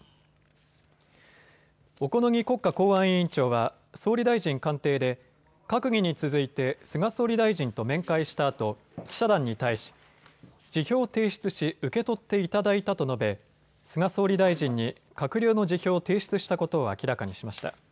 小此木国家公安委員長は総理大臣官邸で閣議に続いて菅総理大臣と面会したあと記者団に対し、辞表を提出し受け取っていただいたと述べ菅総理大臣に閣僚の辞表を提出したことを明らかにしました。